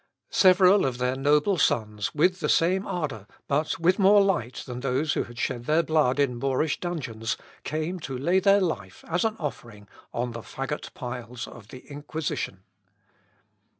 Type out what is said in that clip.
Several of their noble sons with the same ardour, but with more light than those who had shed their blood in Moorish dungeons, came to lay their life, as an offering, on the faggot piles of the Inquisition.